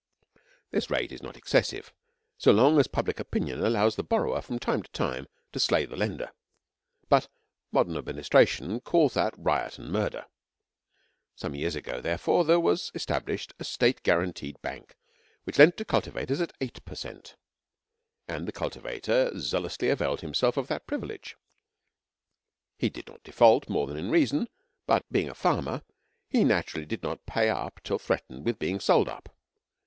This rate is not excessive, so long as public opinion allows the borrower from time to time to slay the lender; but modern administration calls that riot and murder. Some years ago, therefore, there was established a State guaranteed Bank which lent to the cultivators at eight per cent, and the cultivator zealously availed himself of that privilege. He did not default more than in reason, but being a farmer, he naturally did not pay up till threatened with being sold up.